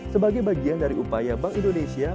sebagai bagian dari upaya bank indonesia